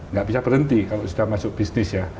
nggak bisa berhenti kalau sudah masuk bisnis ya